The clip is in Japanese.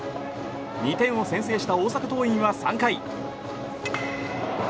２点を先制した大阪桐蔭は３回。